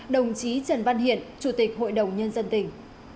đồng chí trần văn hiện chủ tịch hội đồng nhân dân tỉnh